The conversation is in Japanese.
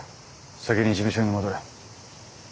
先に事務所に戻れ。